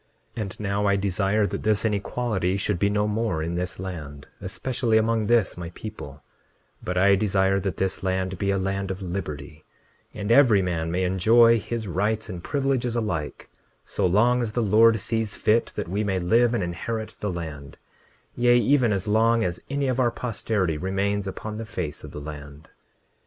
29:32 And now I desire that this inequality should be no more in this land, especially among this my people; but I desire that this land be a land of liberty, and every man may enjoy his rights and privileges alike, so long as the Lord sees fit that we may live and inherit the land, yea, even as long as any of our posterity remains upon the face of the land.